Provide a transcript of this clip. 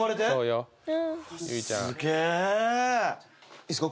いいっすか？